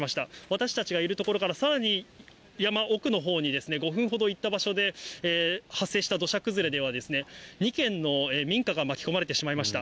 私たちがいる所からさらに山奥のほうに５分ほど行った場所で発生した土砂崩れでは、２軒の民家が巻き込まれてしまいました。